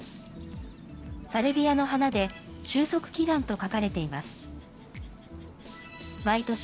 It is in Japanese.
サルビアの花で、終息祈願と書かれています。